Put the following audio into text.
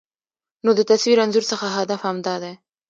نو د تصوير انځور څخه هدف همدا دى